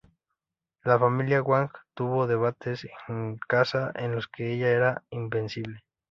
La familia Wang tuvo debates en casa en los que ella era invencible.